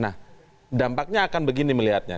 nah dampaknya akan begini melihatnya